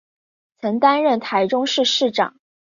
曾担任台中市市长。